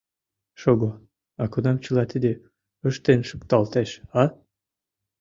— Шого, а кунам чыла тиде ыштен шукталтеш, а?